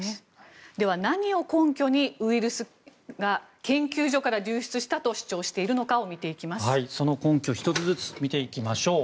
では、何を根拠にウイルスが研究所から流出したと主張しているのかをその根拠を１つずつ見ていきましょう。